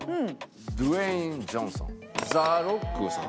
「ドウェイン・ジョンソン」ザ・ロックさん？